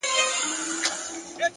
د حقیقت لټون پوهه ژوره کوي،